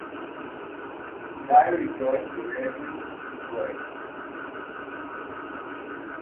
Guy rejoined the revue in Detroit.